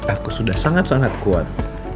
aku sudah sangat sangat kuat